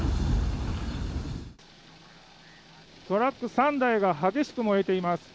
トラック３台が激しく燃えています。